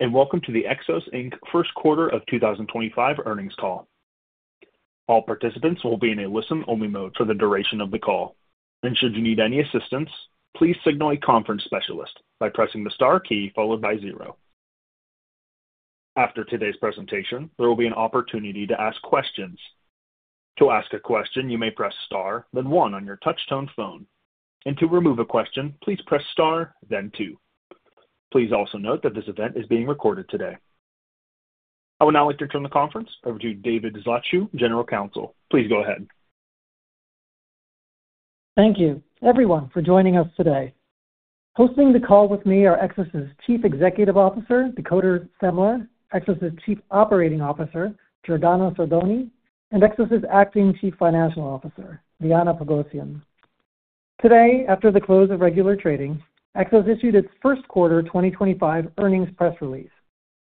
Today, and Welcome to the Xos first quarter of 2025 earnings call. All participants will be in a listen-only mode for the duration of the call. Should you need any assistance, please signal a conference specialist by pressing the star key followed by zero. After today's presentation, there will be an opportunity to ask questions. To ask a question, you may press star, then one on your touch-tone phone. To remove a question, please press star, then two. Please also note that this event is being recorded today. I would now like to turn the conference over to David Zlotchew, General Counsel. Please go ahead. Thank you, everyone, for joining us today. Hosting the call with me are Xos' Chief Executive Officer, Dakota Semler, Xos' Chief Operating Officer, Giordano Sordoni, and Xos' Acting Chief Financial Officer, Liana Pogosyan. Today, after the close of regular trading, Xos issued its first quarter 2025 earnings press release.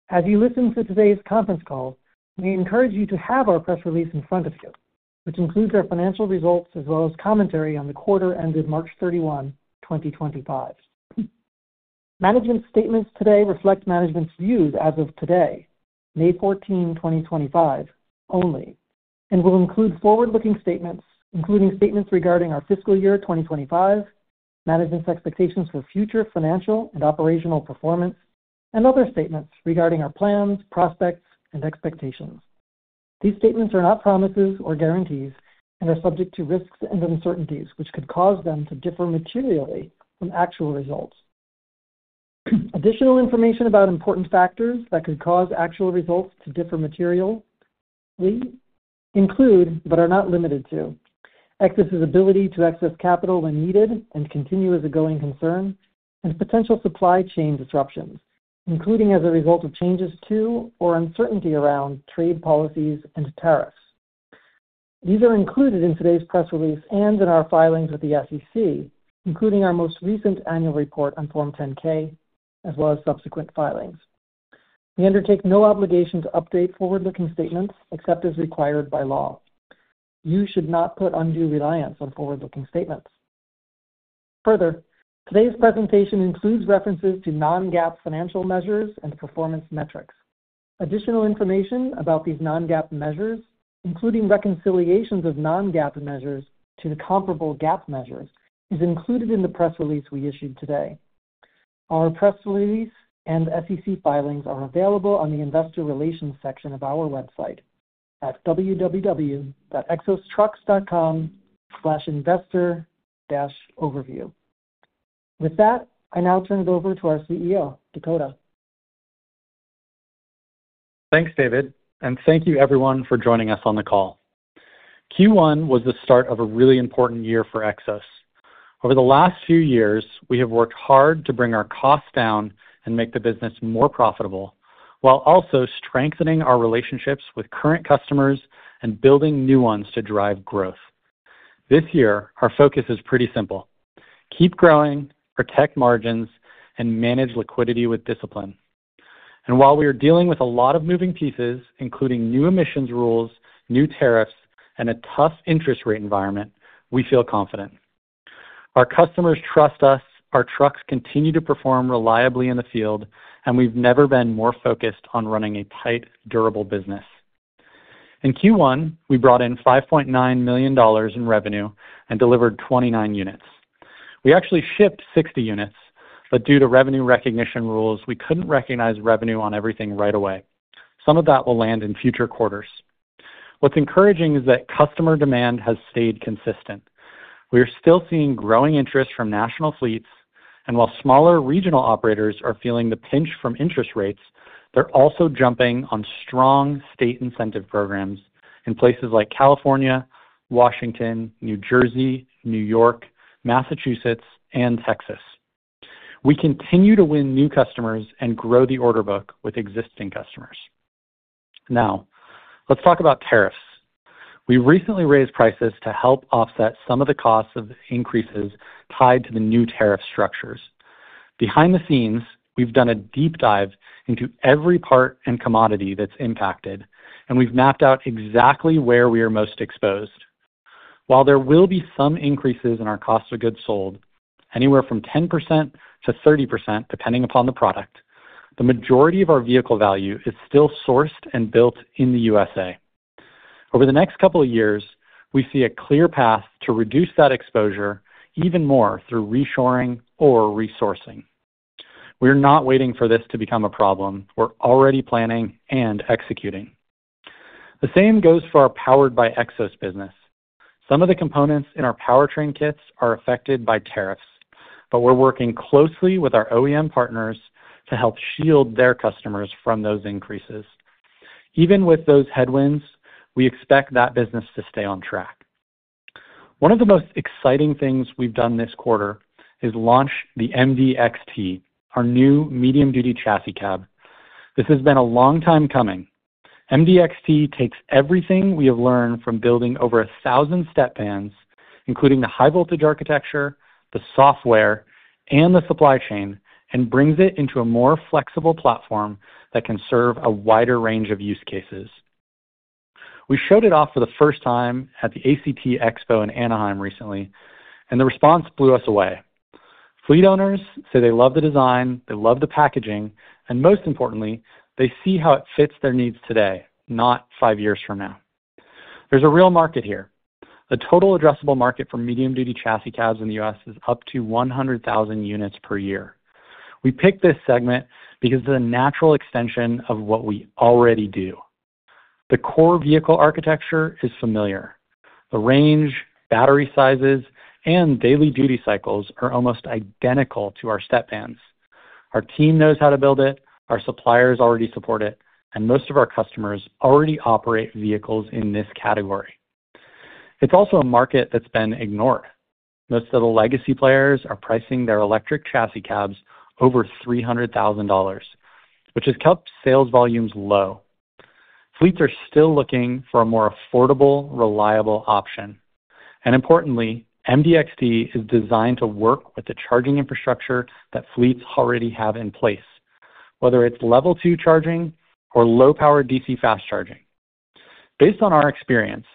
As you listen to today's conference call, we encourage you to have our press release in front of you, which includes our financial results as well as commentary on the quarter ended March 31, 2025. Management's statements today reflect management's views as of today, May 14, 2025, only, and will include forward-looking statements, including statements regarding our fiscal year 2025, management's expectations for future financial and operational performance, and other statements regarding our plans, prospects, and expectations. These statements are not promises or guarantees and are subject to risks and uncertainties, which could cause them to differ materially from actual results. Additional information about important factors that could cause actual results to differ materially include, but are not limited to, Xos' ability to access capital when needed and continue as a going concern, and potential supply chain disruptions, including as a result of changes to or uncertainty around trade policies and tariffs. These are included in today's press release and in our filings with the SEC, including our most recent annual report on Form 10-K, as well as subsequent filings. We undertake no obligation to update forward-looking statements except as required by law. You should not put undue reliance on forward-looking statements. Further, today's presentation includes references to non-GAAP financial measures and performance metrics. Additional information about these non-GAAP measures, including reconciliations of non-GAAP measures to comparable GAAP measures, is included in the press release we issued today. Our press release and SEC filings are available on the Investor Relations section of our website at www.xostructs.com/investor-overview. With that, I now turn it over to our CEO, Dakota. Thanks, David, and thank you, everyone, for joining us on the call. Q1 was the start of a really important year for Xos. Over the last few years, we have worked hard to bring our costs down and make the business more profitable while also strengthening our relationships with current customers and building new ones to drive growth. This year, our focus is pretty simple: keep growing, protect margins, and manage liquidity with discipline. While we are dealing with a lot of moving pieces, including new emissions rules, new tariffs, and a tough interest rate environment, we feel confident. Our customers trust us, our trucks continue to perform reliably in the field, and we've never been more focused on running a tight, durable business. In Q1, we brought in $5.9 million in revenue and delivered 29 units. We actually shipped 60 units, but due to revenue recognition rules, we couldn't recognize revenue on everything right away. Some of that will land in future quarters. What's encouraging is that customer demand has stayed consistent. We are still seeing growing interest from national fleets, and while smaller regional operators are feeling the pinch from interest rates, they're also jumping on strong state incentive programs in places like California, Washington, New Jersey, New York, Massachusetts, and Texas. We continue to win new customers and grow the order book with existing customers. Now, let's talk about tariffs. We recently raised prices to help offset some of the costs of increases tied to the new tariff structures. Behind the scenes, we've done a deep dive into every part and commodity that's impacted, and we've mapped out exactly where we are most exposed. While there will be some increases in our cost of goods sold, anywhere from 10%-30%, depending upon the product, the majority of our vehicle value is still sourced and built in the U.S.A. Over the next couple of years, we see a clear path to reduce that exposure even more through reshoring or resourcing. We are not waiting for this to become a problem. We're already planning and executing. The same goes for our powered-by-Xos business. Some of the components in our powertrain kits are affected by tariffs, but we're working closely with our OEM partners to help shield their customers from those increases. Even with those headwinds, we expect that business to stay on track. One of the most exciting things we've done this quarter is launch the MDXT, our new medium-duty chassis cab. This has been a long time coming. MDXT takes everything we have learned from building over 1,000 Step Vans, including the high-voltage architecture, the software, and the supply chain, and brings it into a more flexible platform that can serve a wider range of use cases. We showed it off for the first time at the ACT Expo in Anaheim recently, and the response blew us away. Fleet owners say they love the design, they love the packaging, and most importantly, they see how it fits their needs today, not five years from now. There's a real market here. The total addressable market for medium-duty chassis cabs in the U.S. is up to 100,000 units per year. We picked this segment because it's a natural extension of what we already do. The core vehicle architecture is familiar. The range, battery sizes, and daily duty cycles are almost identical to our Step Vans. Our team knows how to build it, our suppliers already support it, and most of our customers already operate vehicles in this category. It is also a market that has been ignored. Most of the legacy players are pricing their electric chassis cabs over $300,000, which has kept sales volumes low. Fleets are still looking for a more affordable, reliable option. Importantly, MDXT is designed to work with the charging infrastructure that fleets already have in place, whether it is level two charging or low-power DC fast charging. Based on our experience,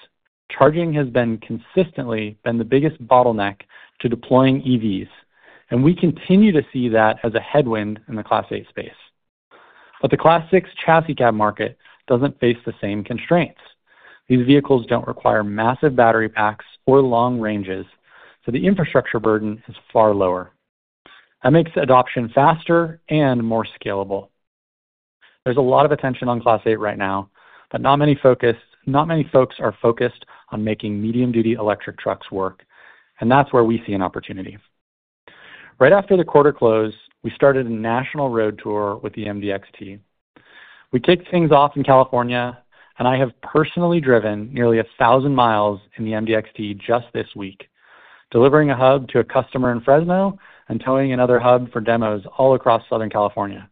charging has consistently been the biggest bottleneck to deploying EVs, and we continue to see that as a headwind in the Class 8 space. The Class 6 chassis cab market does not face the same constraints. These vehicles do not require massive battery packs or long ranges, so the infrastructure burden is far lower. That makes adoption faster and more scalable. There's a lot of attention on Class 8 right now, but not many folks are focused on making medium-duty electric trucks work, and that's where we see an opportunity. Right after the quarter close, we started a national road tour with the MDXT. We kicked things off in California, and I have personally driven nearly 1,000 mi in the MDXT just this week, delivering a hub to a customer in Fresno and towing another hub for demos all across Southern California.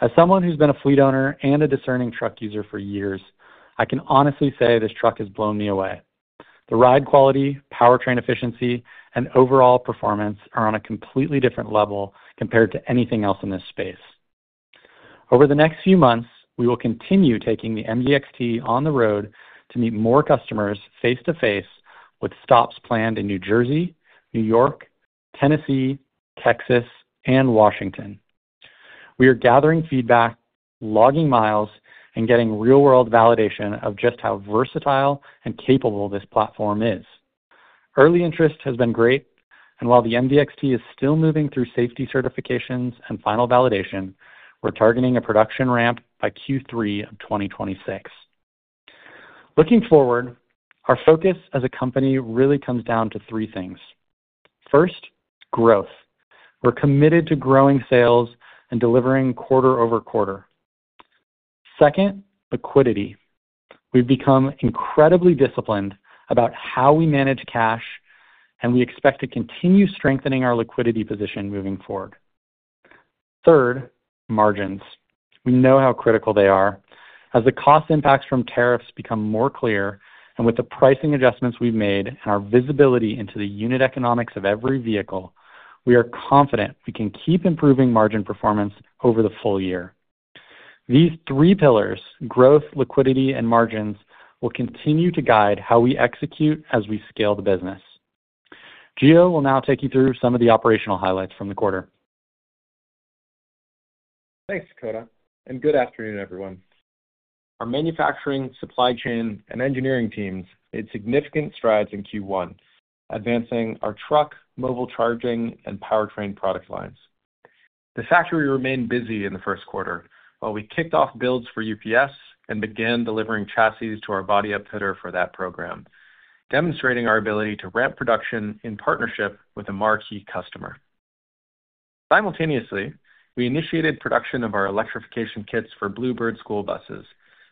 As someone who's been a fleet owner and a discerning truck user for years, I can honestly say this truck has blown me away. The ride quality, powertrain efficiency, and overall performance are on a completely different level compared to anything else in this space. Over the next few months, we will continue taking the MDXT on the road to meet more customers face-to-face with stops planned in New Jersey, New York, Tennessee, Texas, and Washington. We are gathering feedback, logging miles, and getting real-world validation of just how versatile and capable this platform is. Early interest has been great, and while the MDXT is still moving through safety certifications and final validation, we're targeting a production ramp by Q3 of 2026. Looking forward, our focus as a company really comes down to three things. First, growth. We're committed to growing sales and delivering quarter over quarter. Second, liquidity. We've become incredibly disciplined about how we manage cash, and we expect to continue strengthening our liquidity position moving forward. Third, margins. We know how critical they are. As the cost impacts from tariffs become more clear and with the pricing adjustments we've made and our visibility into the unit economics of every vehicle, we are confident we can keep improving margin performance over the full year. These three pillars, growth, liquidity, and margins, will continue to guide how we execute as we scale the business. Gio will now take you through some of the operational highlights from the quarter. Thanks, Dakota, and good afternoon, everyone. Our manufacturing, supply chain, and engineering teams made significant strides in Q1, advancing our truck, mobile charging, and powertrain product lines. The factory remained busy in the first quarter while we kicked off builds for UPS and began delivering chassis to our body upfitter for that program, demonstrating our ability to ramp production in partnership with a marquee customer. Simultaneously, we initiated production of our electrification kits for Blue Bird school buses,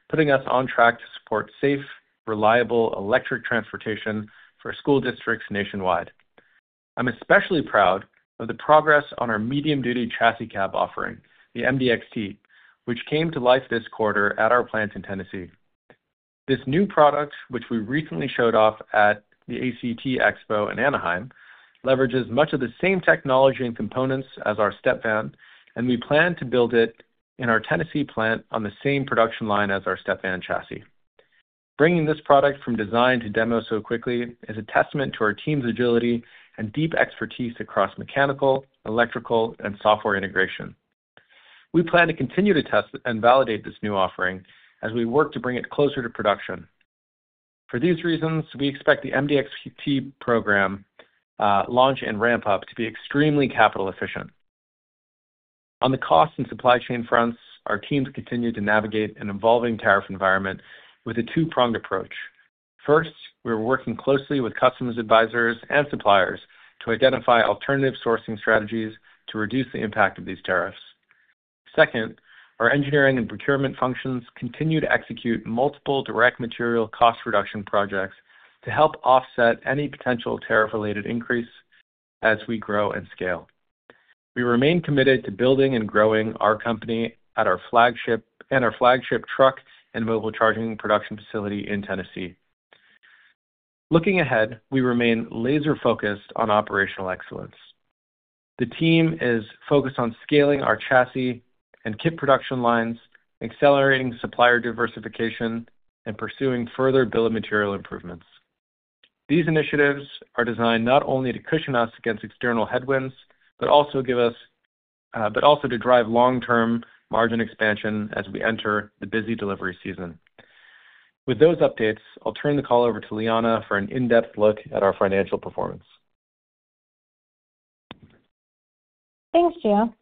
putting us on track to support safe, reliable electric transportation for school districts nationwide. I'm especially proud of the progress on our medium-duty chassis cab offering, the MDXT, which came to life this quarter at our plant in Tennessee. This new product, which we recently showed off at the ACT Expo in Anaheim, leverages much of the same technology and components as our Step Van, and we plan to build it in our Tennessee plant on the same production line as our Step Van chassis. Bringing this product from design to demo so quickly is a testament to our team's agility and deep expertise across mechanical, electrical, and software integration. We plan to continue to test and validate this new offering as we work to bring it closer to production. For these reasons, we expect the MDXT program launch and ramp-up to be extremely capital-efficient. On the cost and supply chain fronts, our teams continue to navigate an evolving tariff environment with a two-pronged approach. First, we are working closely with customs advisors and suppliers to identify alternative sourcing strategies to reduce the impact of these tariffs. Second, our engineering and procurement functions continue to execute multiple direct material cost reduction projects to help offset any potential tariff-related increase as we grow and scale. We remain committed to building and growing our company and our flagship truck and mobile charging production facility in Tennessee. Looking ahead, we remain laser-focused on operational excellence. The team is focused on scaling our chassis and kit production lines, accelerating supplier diversification, and pursuing further bill of material improvements. These initiatives are designed not only to cushion us against external headwinds, but also to drive long-term margin expansion as we enter the busy delivery season. With those updates, I'll turn the call over to Liana for an in-depth look at our financial performance. Thanks, Gio.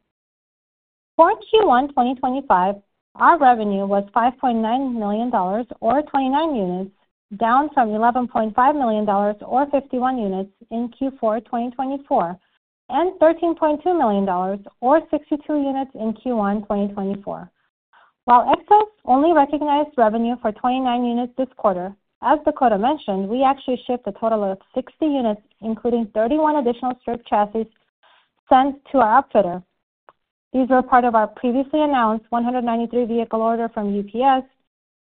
For Q1 2025, our revenue was $5.9 million, or 29 units, down from $11.5 million, or 51 units, in Q4 2024, and $13.2 million, or 62 units, in Q1 2024. While Xos only recognized revenue for 29 units this quarter, as Dakota mentioned, we actually shipped a total of 60 units, including 31 additional strip chassis sent to our upfitter. These were part of our previously announced 193-vehicle order from UPS,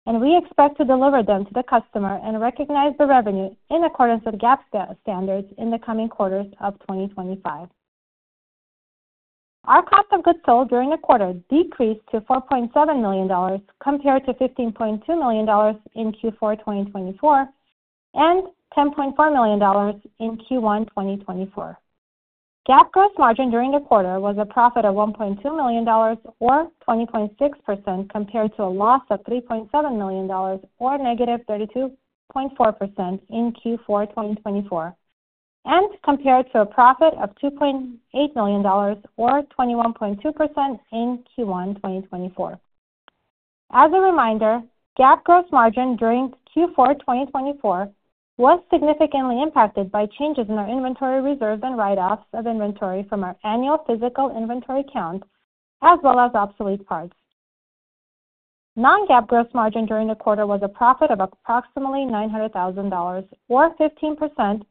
and we expect to deliver them to the customer and recognize the revenue in accordance with GAAP standards in the coming quarters of 2025. Our cost of goods sold during the quarter decreased to $4.7 million compared to $15.2 million in Q4 2024 and $10.4 million in Q1 2024. GAAP gross margin during the quarter was a profit of $1.2 million, or 20.6%, compared to a loss of $3.7 million, or negative 32.4%, in Q4 2024, and compared to a profit of $2.8 million, or 21.2%, in Q1 2024. As a reminder, GAAP gross margin during Q4 2024 was significantly impacted by changes in our inventory reserves and write-offs of inventory from our annual physical inventory count, as well as obsolete parts. Non-GAAP gross margin during the quarter was a profit of approximately $900,000, or 15%,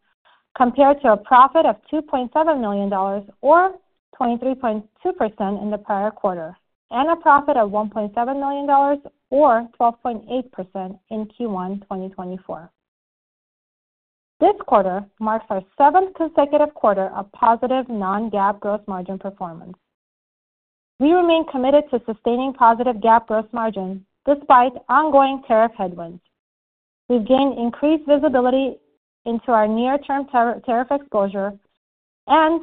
compared to a profit of $2.7 million, or 23.2%, in the prior quarter, and a profit of $1.7 million, or 12.8%, in Q1 2024. This quarter marks our seventh consecutive quarter of positive non-GAAP gross margin performance. We remain committed to sustaining positive GAAP gross margin despite ongoing tariff headwinds. We've gained increased visibility into our near-term tariff exposure and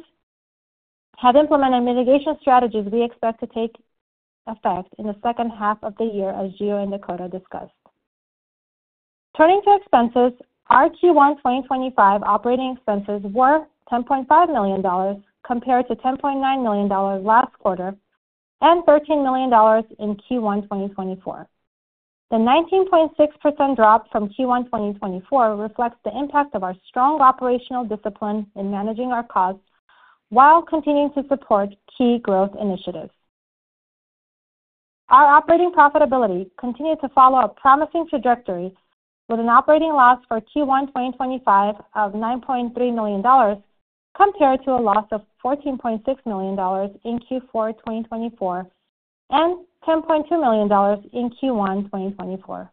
have implemented mitigation strategies we expect to take effect in the second half of the year, as Gio and Dakota discussed. Turning to expenses, our Q1 2025 operating expenses were $10.5 million compared to $10.9 million last quarter and $13 million in Q1 2024. The 19.6% drop from Q1 2024 reflects the impact of our strong operational discipline in managing our costs while continuing to support key growth initiatives. Our operating profitability continued to follow a promising trajectory, with an operating loss for Q1 2025 of $9.3 million compared to a loss of $14.6 million in Q4 2024 and $10.2 million in Q1 2024.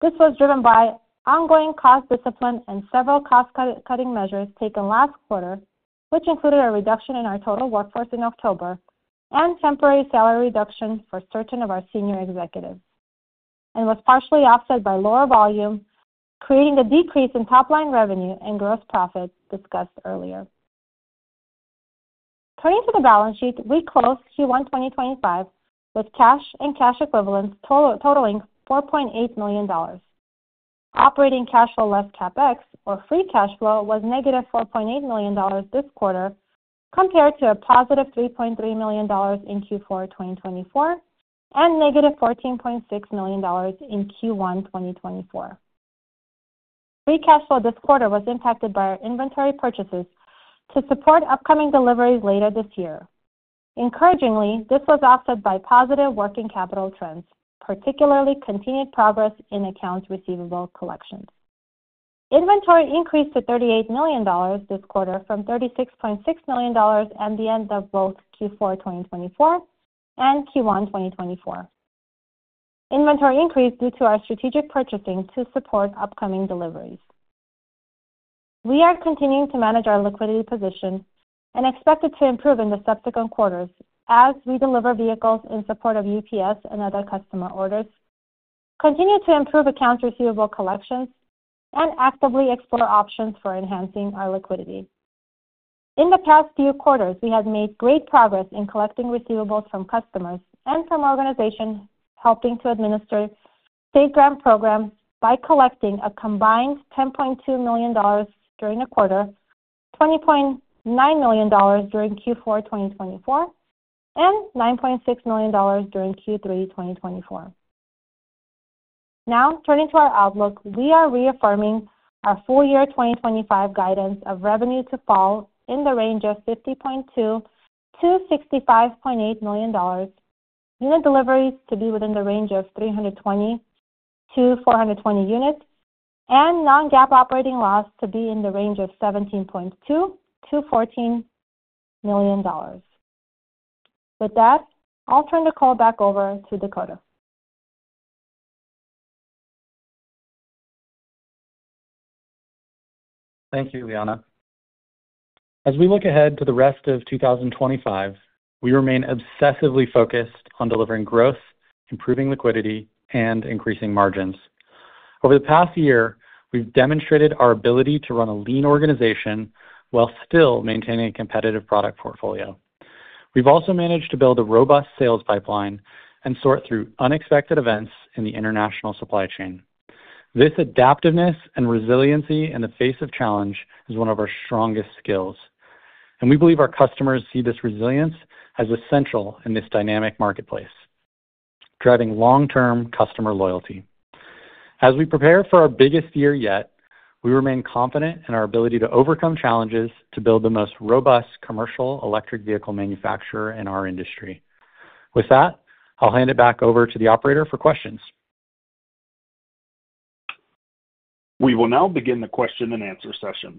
This was driven by ongoing cost discipline and several cost-cutting measures taken last quarter, which included a reduction in our total workforce in October and temporary salary reduction for certain of our senior executives, and was partially offset by lower volume, creating a decrease in top-line revenue and gross profit discussed earlier. Turning to the balance sheet, we closed Q1 2025 with cash and cash equivalents totaling $4.8 million. Operating cash flow less CapEx, or free cash flow, was negative $4.8 million this quarter compared to a positive $3.3 million in Q4 2024 and negative $14.6 million in Q1 2024. Free cash flow this quarter was impacted by our inventory purchases to support upcoming deliveries later this year. Encouragingly, this was offset by positive working capital trends, particularly continued progress in accounts receivable collections. Inventory increased to $38 million this quarter from $36.6 million at the end of both Q4 2024 and Q1 2024. Inventory increased due to our strategic purchasing to support upcoming deliveries. We are continuing to manage our liquidity position and expect it to improve in the subsequent quarters as we deliver vehicles in support of UPS and other customer orders, continue to improve accounts receivable collections, and actively explore options for enhancing our liquidity. In the past few quarters, we have made great progress in collecting receivables from customers and from organizations helping to administer state grant programs by collecting a combined $10.2 million during the quarter, $20.9 million during Q4 2024, and $9.6 million during Q3 2024. Now, turning to our outlook, we are reaffirming our full year 2025 guidance of revenue to fall in the range of $50.2-$65.8 million, unit deliveries to be within the range of 320-420 units, and non-GAAP operating loss to be in the range of $17.2-$14 million. With that, I'll turn the call back over to Dakota. Thank you, Liana. As we look ahead to the rest of 2025, we remain obsessively focused on delivering growth, improving liquidity, and increasing margins. Over the past year, we've demonstrated our ability to run a lean organization while still maintaining a competitive product portfolio. We've also managed to build a robust sales pipeline and sort through unexpected events in the international supply chain. This adaptiveness and resiliency in the face of challenge is one of our strongest skills, and we believe our customers see this resilience as essential in this dynamic marketplace, driving long-term customer loyalty. As we prepare for our biggest year yet, we remain confident in our ability to overcome challenges to build the most robust commercial electric vehicle manufacturer in our industry. With that, I'll hand it back over to the operator for questions. We will now begin the question and answer session.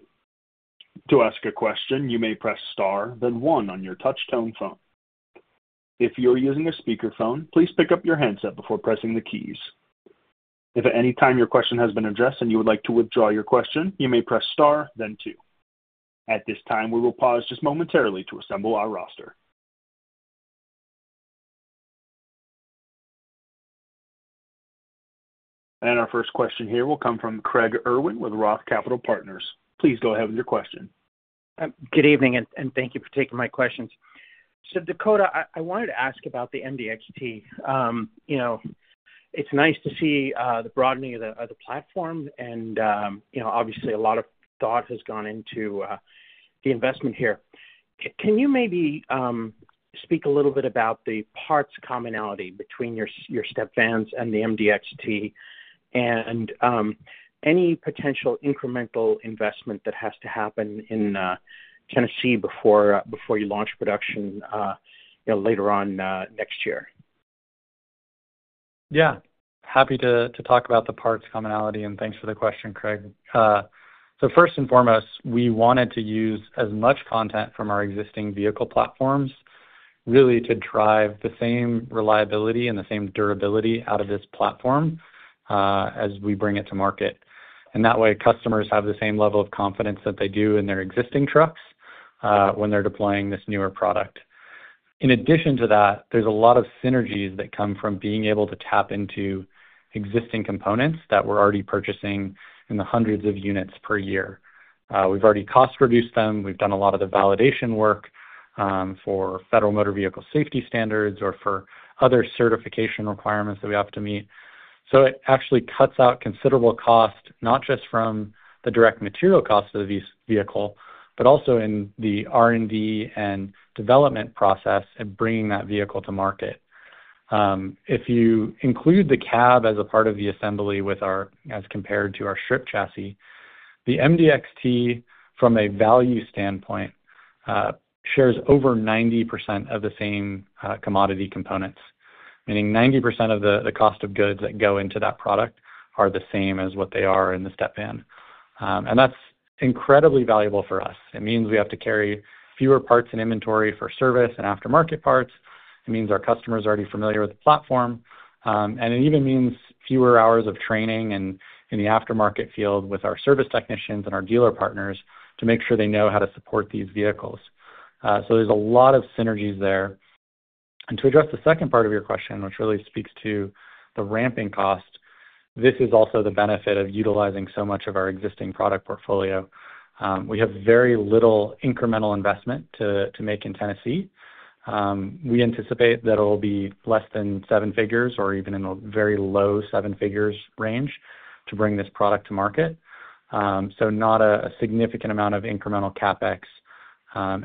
To ask a question, you may press star, then one on your touch-tone phone. If you're using a speakerphone, please pick up your handset before pressing the keys. If at any time your question has been addressed and you would like to withdraw your question, you may press star, then two. At this time, we will pause just momentarily to assemble our roster. Our first question here will come from Craig Irwin with Roth Capital Partners. Please go ahead with your question. Good evening, and thank you for taking my questions. Dakota, I wanted to ask about the MDXT. It's nice to see the broadening of the platform, and obviously, a lot of thought has gone into the investment here. Can you maybe speak a little bit about the parts commonality between your step vans and the MDXT and any potential incremental investment that has to happen in Tennessee before you launch production later on next year? Yeah, happy to talk about the parts commonality, and thanks for the question, Craig. First and foremost, we wanted to use as much content from our existing vehicle platforms, really, to drive the same reliability and the same durability out of this platform as we bring it to market. That way, customers have the same level of confidence that they do in their existing trucks when they're deploying this newer product. In addition to that, there's a lot of synergies that come from being able to tap into existing components that we're already purchasing in the hundreds of units per year. We've already cost-reduced them. We've done a lot of the validation work for Federal Motor Vehicle Safety Standards or for other certification requirements that we have to meet. It actually cuts out considerable cost, not just from the direct material cost of the vehicle, but also in the R&D and development process and bringing that vehicle to market. If you include the cab as a part of the assembly as compared to our strip chassis, the MDXT, from a value standpoint, shares over 90% of the same commodity components, meaning 90% of the cost of goods that go into that product are the same as what they are in the Step Van. That's incredibly valuable for us. It means we have to carry fewer parts in inventory for service and aftermarket parts. It means our customers are already familiar with the platform, and it even means fewer hours of training in the aftermarket field with our service technicians and our dealer partners to make sure they know how to support these vehicles. There's a lot of synergies there. To address the second part of your question, which really speaks to the ramping cost, this is also the benefit of utilizing so much of our existing product portfolio. We have very little incremental investment to make in Tennessee. We anticipate that it'll be less than seven figures or even in a very low seven-figure range to bring this product to market. Not a significant amount of incremental CapEx.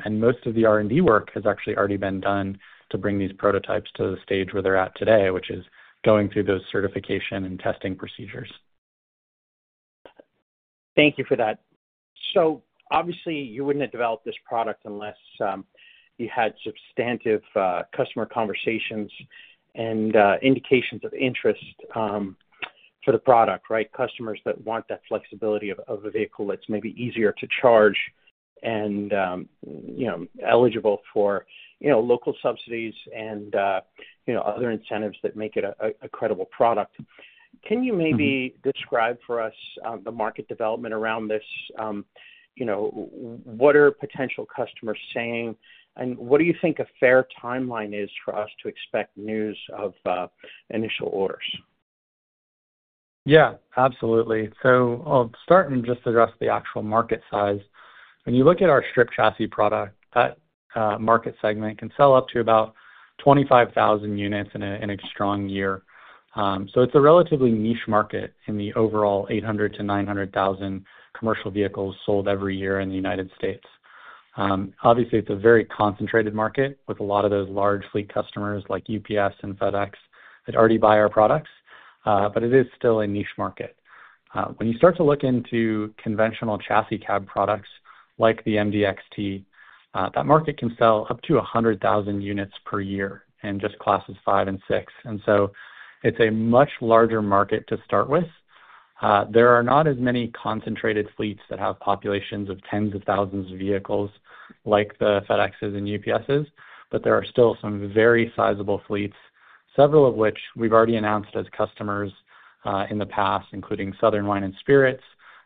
Most of the R&D work has actually already been done to bring these prototypes to the stage where they're at today, which is going through those certification and testing procedures. Thank you for that. Obviously, you wouldn't have developed this product unless you had substantive customer conversations and indications of interest for the product, right? Customers that want that flexibility of a vehicle that's maybe easier to charge and eligible for local subsidies and other incentives that make it a credible product. Can you maybe describe for us the market development around this? What are potential customers saying, and what do you think a fair timeline is for us to expect news of initial orders? Yeah, absolutely. I'll start and just address the actual market size. When you look at our strip chassis product, that market segment can sell up to about 25,000 units in a strong year. It's a relatively niche market in the overall 800,000 to 900,000 commercial vehicles sold every year in the United States. Obviously, it's a very concentrated market with a lot of those large fleet customers like UPS and FedEx that already buy our products, but it is still a niche market. When you start to look into conventional chassis cab products like the MDXT, that market can sell up to 100,000 units per year in just classes five and six. It's a much larger market to start with. There are not as many concentrated fleets that have populations of tens of thousands of vehicles like the FedEx's and UPS's, but there are still some very sizable fleets, several of which we've already announced as customers in the past, including Southern Glazer's Wine & Spirits,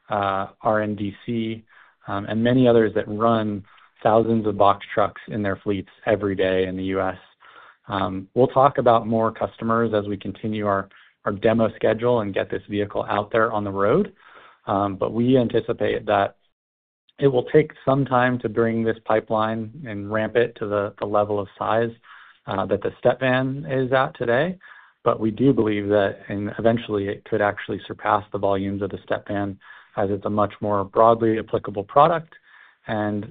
R&DC, and many others that run thousands of box trucks in their fleets every day in the US. We'll talk about more customers as we continue our demo schedule and get this vehicle out there on the road, but we anticipate that it will take some time to bring this pipeline and ramp it to the level of size that the Step Van is at today. We do believe that eventually it could actually surpass the volumes of the Step Van as it's a much more broadly applicable product and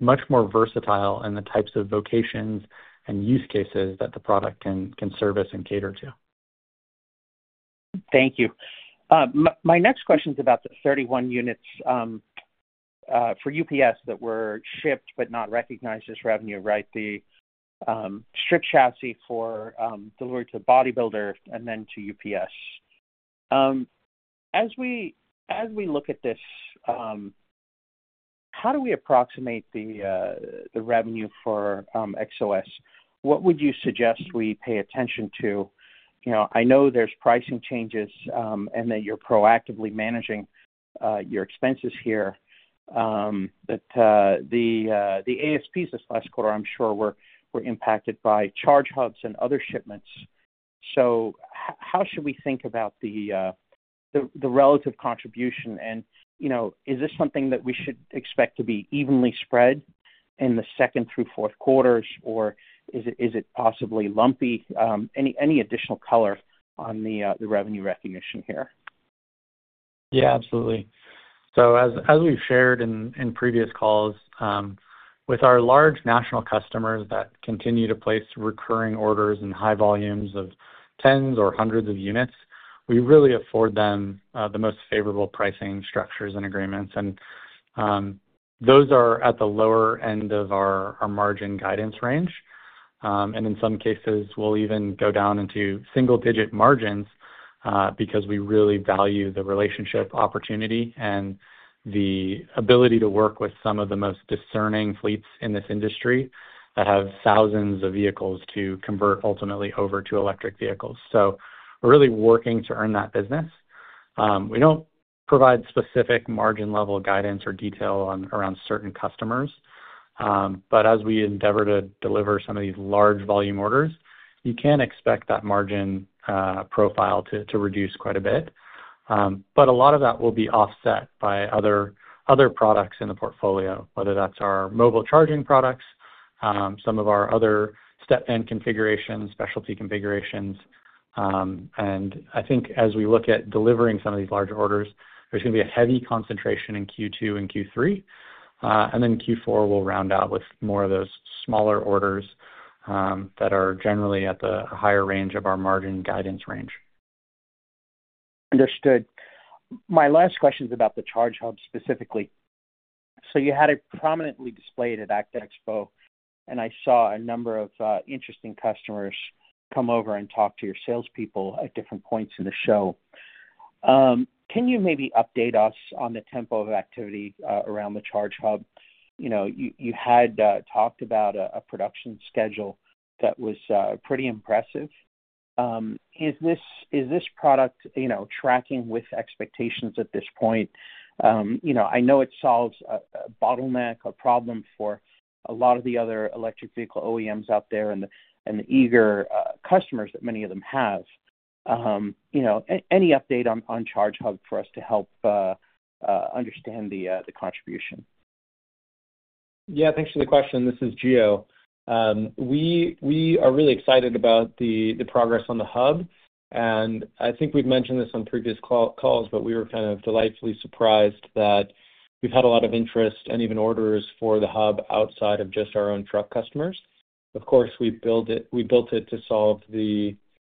much more versatile in the types of vocations and use cases that the product can service and cater to. Thank you. My next question is about the 31 units for UPS that were shipped but not recognized as revenue, right? The strip chassis for delivery to Bodybuilder and then to UPS. As we look at this, how do we approximate the revenue for Xos? What would you suggest we pay attention to? I know there's pricing changes and that you're proactively managing your expenses here, that the ASPs this last quarter, I'm sure, were impacted by charge hubs and other shipments. How should we think about the relative contribution? Is this something that we should expect to be evenly spread in the second through fourth quarters, or is it possibly lumpy? Any additional color on the revenue recognition here? Yeah, absolutely. As we've shared in previous calls, with our large national customers that continue to place recurring orders in high volumes of tens or hundreds of units, we really afford them the most favorable pricing structures and agreements. Those are at the lower end of our margin guidance range. In some cases, we'll even go down into single-digit margins because we really value the relationship opportunity and the ability to work with some of the most discerning fleets in this industry that have thousands of vehicles to convert ultimately over to electric vehicles. We're really working to earn that business. We don't provide specific margin-level guidance or detail around certain customers, but as we endeavor to deliver some of these large volume orders, you can expect that margin profile to reduce quite a bit. A lot of that will be offset by other products in the portfolio, whether that's our mobile charging products, some of our other step and configurations, specialty configurations. I think as we look at delivering some of these large orders, there's going to be a heavy concentration in Q2 and Q3, and then Q4 will round out with more of those smaller orders that are generally at the higher range of our margin guidance range. Understood. My last question is about the Charge Hub specifically. You had it prominently displayed at ACT Expo, and I saw a number of interesting customers come over and talk to your salespeople at different points in the show. Can you maybe update us on the tempo of activity around the Charge Hub? You had talked about a production schedule that was pretty impressive. Is this product tracking with expectations at this point? I know it solves a bottleneck, a problem for a lot of the other electric vehicle OEMs out there and the eager customers that many of them have. Any update on Charge Hub for us to help understand the contribution? Yeah, thanks for the question. This is Gio. We are really excited about the progress on the hub. I think we've mentioned this on previous calls, but we were kind of delightfully surprised that we've had a lot of interest and even orders for the hub outside of just our own truck customers. Of course, we built it to solve the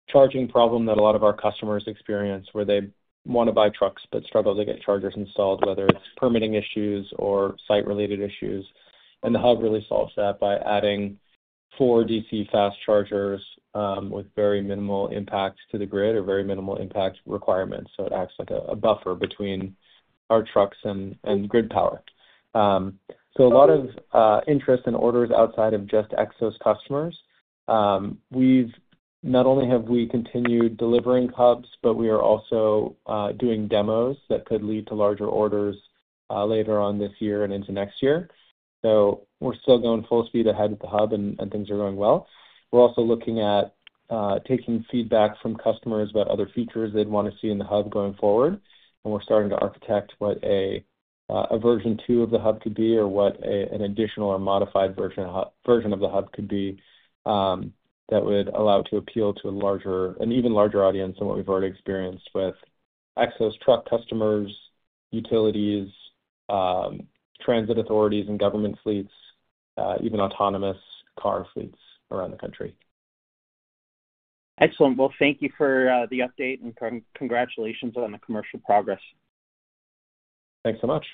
charging problem that a lot of our customers experience where they want to buy trucks but struggle to get chargers installed, whether it's permitting issues or site-related issues. The hub really solves that by adding four DC fast chargers with very minimal impact to the grid or very minimal impact requirements. It acts like a buffer between our trucks and grid power. A lot of interest and orders outside of just Xos customers. Not only have we continued delivering hubs, but we are also doing demos that could lead to larger orders later on this year and into next year. We are still going full speed ahead with the hub, and things are going well. We are also looking at taking feedback from customers about other features they would want to see in the hub going forward. We are starting to architect what a version two of the hub could be or what an additional or modified version of the hub could be that would allow it to appeal to an even larger audience than what we have already experienced with Xos truck customers, utilities, transit authorities, and government fleets, even autonomous car fleets around the country. Excellent. Thank you for the update and congratulations on the commercial progress. Thanks so much.